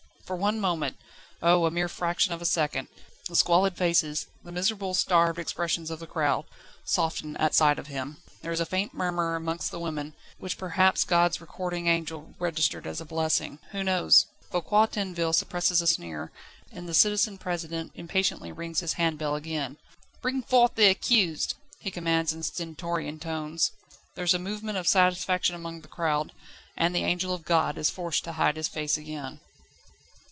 For one moment oh! a mere fraction of a second the squalid faces, the miserable, starved expressions of the crowd, soften at sight of him. There is a faint murmur among the women, which perhaps God's recording angel registered as a blessing. Who knows? Foucquier Tinville suppresses a sneer, and the Citizen President impatiently rings his hand bell again. "Bring forth the accused!" he commands in stentorian tones. There is a movement of satisfaction among the crowd, and the angel of God is forced to hide his face again.